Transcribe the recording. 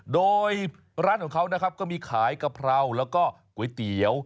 โดยร้านของเขานะครับก็มีขายกะเพราแล้วก็ก๋วยเตี๋ยว